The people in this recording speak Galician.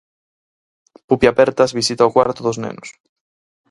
Pupi Apertas visita o Cuarto dos nenos.